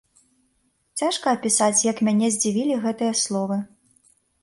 Цяжка апісаць, як мяне здзівілі гэтыя словы.